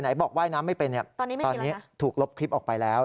บอกว่ายน้ำไม่เป็นตอนนี้ถูกลบคลิปออกไปแล้ว